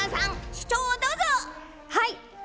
主張をどうぞ。